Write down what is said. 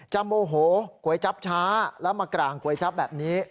จำโอโหกรยจับช้าแล้วมากร่างกรวยจับแบบนี้